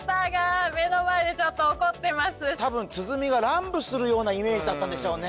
多分鼓が乱舞するようなイメージだったんでしょうね